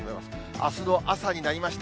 あすの朝になりました。